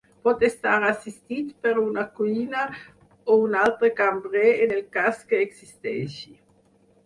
Pot estar assistit per una cuina o un altre cambrer en el cas que existeixi.